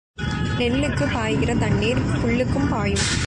நெல்லுக்குப் பாய்கிற தண்ணீர் புல்லுக்கும் பாயும்.